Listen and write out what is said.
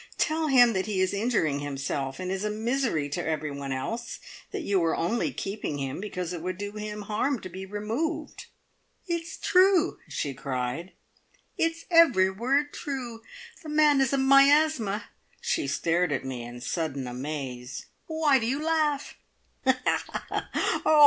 Tell him that he is injuring himself, and is a misery to every one else that you are only keeping him, because it would do him harm to be removed." "It's true!" she cried. "It's every word true. The man is a miasma." She stared at me in sudden amaze. "Why do you laugh?"